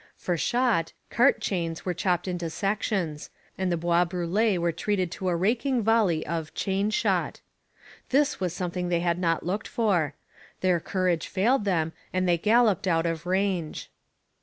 For shot, cart chains were chopped into sections; and the Bois Brûlés were treated to a raking volley of 'chain shot.' This was something they had not looked for; their courage failed them, and they galloped out of range.